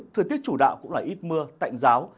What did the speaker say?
thời tiết chủ đạo cũng là ít mưa tạnh giáo